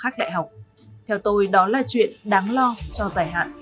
theo tôi đó là chuyện đáng lo cho dài hạn